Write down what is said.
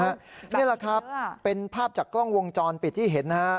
นี่แหละครับเป็นภาพจากกล้องวงจรปิดที่เห็นนะฮะ